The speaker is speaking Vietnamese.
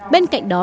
bên cạnh đó